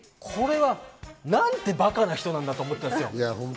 なんてバカな人なんだと思ったんですよ。